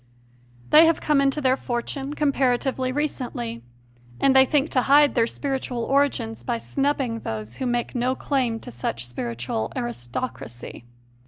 They have come into their fortune comparatively recently, and they think to hide their spiritual origins by snubbing those who make no claim to such spiritual aristocracy.